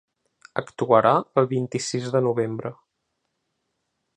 Actuarà el vint-i-sis de novembre.